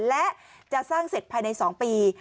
และจะสร้างเสร็จภายใน๒ปี